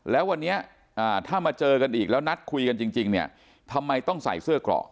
แล้ววันนี้ถ้ามาเจอกันอีกแล้วนัดคุยกันจริงเนี่ยทำไมต้องใส่เสื้อกรอก